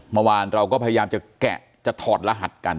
มะวานเราก็พยายามจะแกะจะถอดรหัส